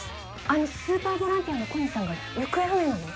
あのスーパーボランティアの小西さんが行方不明なの？